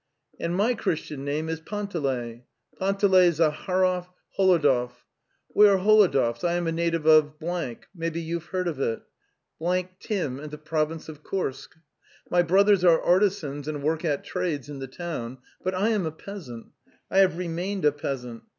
And my christian name is Panteley, ... Panteley Zaharov Holodov. ... We are Holo dovs. ... I ama native of — maybe you've heard of it — Tim in the province of Kursk. My brothers are artisans and work at trades in the town, but I am a peasant. ... 1 have remained a peasant.